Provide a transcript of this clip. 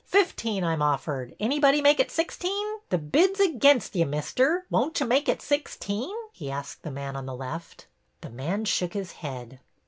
Fifteen I'm offered! Anybody make it sixteen ? The bid 's 'gainst ye, mister, won't you make it sixteen ?" he asked the man on the left. The man shook his head.